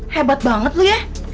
hebat banget lu ya